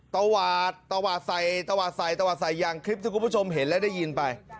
ตวาดตวาดใส่ตวาดใส่ตวาดใส่อย่างคลิปที่คุณผู้ชมเห็นและได้ยินไป